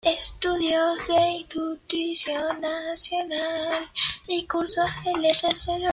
Estudió en Instituto Nacional y cursó Leyes en la Universidad de Chile.